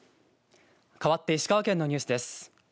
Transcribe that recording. かわって石川県のニュースです。